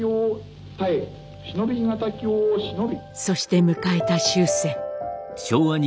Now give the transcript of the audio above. そして迎えた終戦。